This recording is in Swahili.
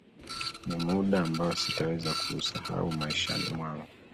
ni muda ambao sitaweza kuusahau maishani mwangu